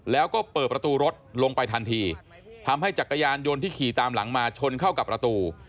แล้วก็เปิดประตูรถลงไปทันทีทำให้จักรยานยนต์ที่ขี่ตามหลังมาชนเข้ากับประตู